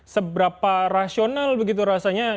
seberapa rasional begitu rasanya ini tadi kimus bar sudah